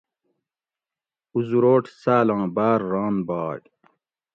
ازروٹ سالاں باۤر ران باگ